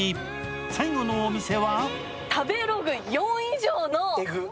最後のお店は？